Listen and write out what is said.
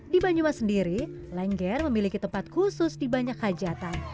di banyumas sendiri lengger memiliki tempat khusus di banyak hajatan